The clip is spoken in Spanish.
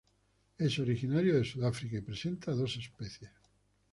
Es originario de Sudáfrica y presenta dos especies.